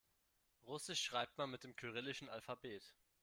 Russisch schreibt man mit dem kyrillischen Alphabet.